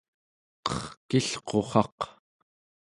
qerkilqurraq